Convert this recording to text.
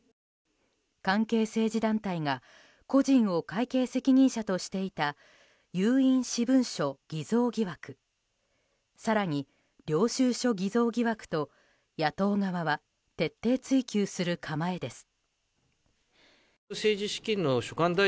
関係政治団体が故人を会計責任者としていた有印私文書偽造疑惑更に、領収書偽造疑惑と野党側は徹底追及する構えです。